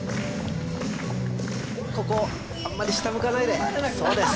ここあんまり下向かないでそうです